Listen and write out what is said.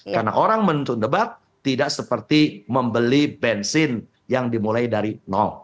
karena orang menuntut debat tidak seperti membeli bensin yang dimulai dari nol